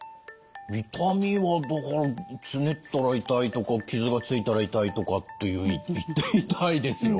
痛みはだからつねったら痛いとか傷がついたら痛いとかっていう痛いですよ。